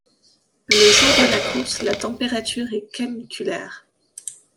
Le jour de la course, la température est caniculaire.